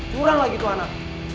curang lagi tuh anak